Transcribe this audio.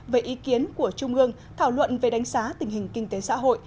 về ý kiến của trung ương thảo luận về đánh giá tình hình kinh tế xã hội